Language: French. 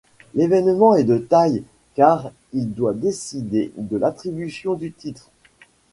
L'événement est de taille car il doit décider de l'attribution du titre.